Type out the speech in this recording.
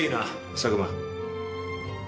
佐久間。